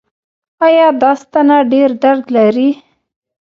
ایا دا ستنه ډیر درد لري؟